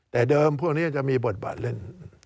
แต่เดิมพวกนี้จะมีบทบาทเล่น